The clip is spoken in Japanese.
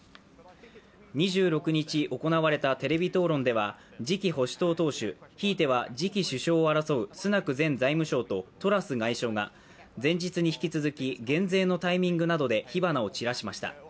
２６日、行われたテレビ討論では次期保守党党首、ひいては次期首相を争うスナク前財務相とトラス外相が前日に引き続き減税のタイミングなどで火花を散らしました。